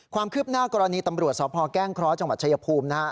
ความคืบหน้ากรณีตำรวจสพแก้งเคราะห์จังหวัดชายภูมินะฮะ